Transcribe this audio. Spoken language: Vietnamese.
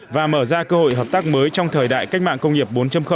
và mở ra cơ hội hợp tác mới trong thời đại cách mạng công nghiệp bốn